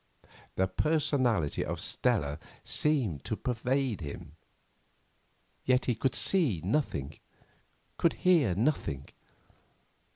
The personality of Stella seemed to pervade him, yet he could see nothing, could hear nothing.